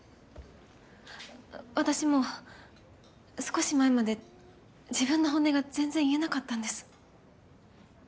私も少し前まで自分の本音が全然言えなかったんです。